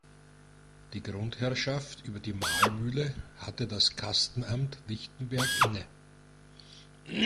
Die Grundherrschaft über die Mahlmühle hatte das Kastenamt Lichtenberg inne.